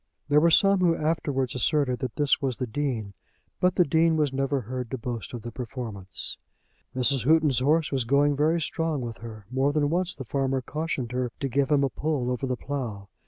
There were some who afterwards asserted that this was the Dean, but the Dean was never heard to boast of the performance. Mrs. Houghton's horse was going very strong with her. More than once the farmer cautioned her to give him a pull over the plough.